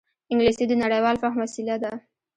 انګلیسي د نړيوال فهم وسیله ده